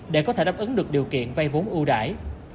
để có thể đáp ứng được điều kiện vay vốn ưu đại